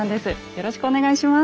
よろしくお願いします。